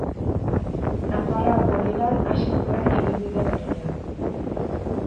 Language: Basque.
Nafarroako Ligan hasi zuen ibilbide berria.